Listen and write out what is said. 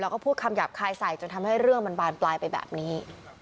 แล้วก็พูดคำหยาบคายใส่จนทำให้เรื่องมันบานปลายไปแบบนี้